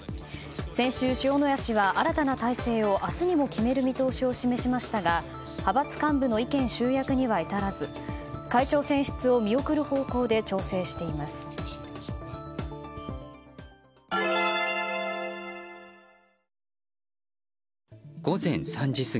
先週、塩谷氏は新たな体制を明日にも決める見通しを示しましたが派閥幹部の意見集約には至らず会長選出を見送る方向で調整しています。